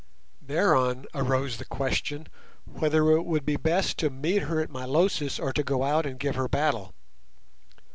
Thereon arose the question whether it would be best to meet her at Milosis or to go out and give her battle.